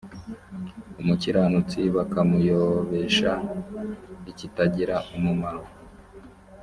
umukiranutsi bakamuyobesha ikitagira umumaro